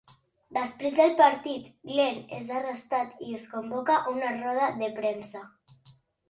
Després del partit, Glen és arrestat i es convoca una roda de premsa.